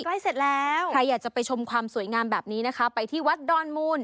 ใครอยากจะไปชมความสวยงามแบบนี้นะคะไปที่วัดดอนมูล